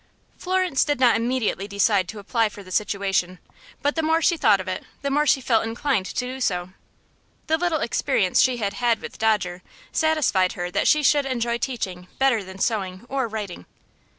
Florence did not immediately decide to apply for the situation, but the more she thought of it the more she felt inclined to do so. The little experience she had had with Dodger satisfied her that she should enjoy teaching better than sewing or writing.